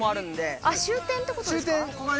終点ってことですか？